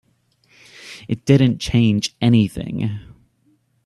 It didn't change anything.